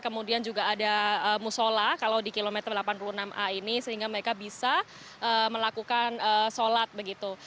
kemudian juga ada musola kalau di kilometer delapan puluh enam a ini sehingga mereka bisa melakukan sholat begitu